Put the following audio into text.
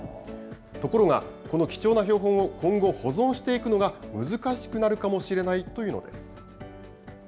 ところが、この貴重な標本を今後、保存していくのが難しくなるかもしれないというのです。